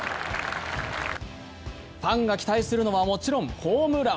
ファンが期待するのは、もちろんホームラン。